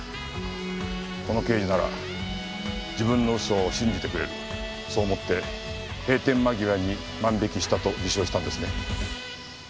この刑事なら自分の嘘を信じてくれるそう思って閉店間際に万引きしたと偽証したんですね。